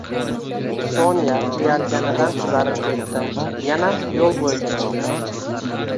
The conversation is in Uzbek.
Sonya uyalganidan qizarib ketdi, yana yoʻl boʻyiga chiqdi